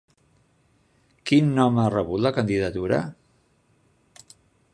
Quin nom ha rebut la candidatura?